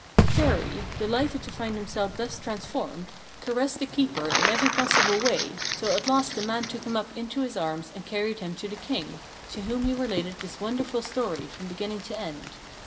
Chéri, delighted to find himself thus transformed, caressed the keeper in every possible way, till at last the man took him up into his arms and carried him to the King, to whom he related this wonderful story from beginning to end.